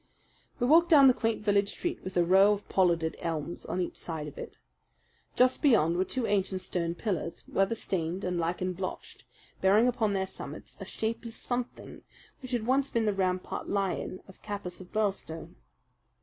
We walked down the quaint village street with a row of pollarded elms on each side of it. Just beyond were two ancient stone pillars, weather stained and lichen blotched, bearing upon their summits a shapeless something which had once been the rampant lion of Capus of Birlstone.